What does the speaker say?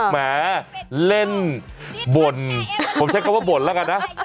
แหมเล่นบ่นผมใช้คำว่าบ่นแล้วกันนะ